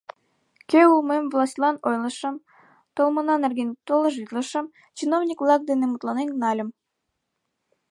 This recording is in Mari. Кӧ улмем властьлан ойлышым, толмына нерген доложитлышым, чиновник-влак дене мутланен нальым.